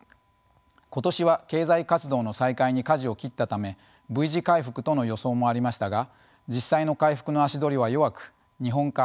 今年は経済活動の再開に舵を切ったためＶ字回復との予想もありましたが実際の回復の足取りは弱く「日本化」